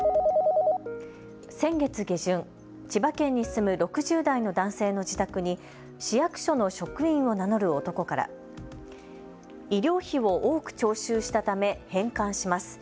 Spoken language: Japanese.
先月下旬、千葉県に住む６０代の男性の自宅に市役所の職員を名乗る男から医療費を多く徴収したため返還します。